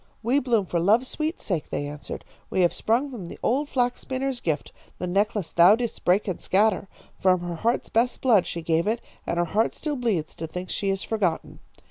"'We bloom for love's sweet sake,' they answered. 'We have sprung from the old flax spinner's gift, the necklace thou didst break and scatter. From her heart's best blood she gave it, and her heart still bleeds to think she is forgotten.'